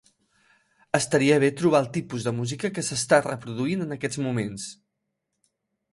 Estaria bé trobar el tipus de música que s'està reproduint en aquests moments.